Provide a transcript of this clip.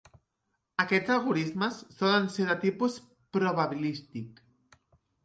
Aquests algorismes solen ser de tipus probabilístic.